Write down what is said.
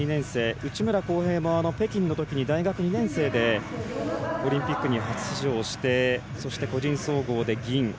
内村航平も北京のときに大学２年生でオリンピックに初出場してそして、個人総合で銀。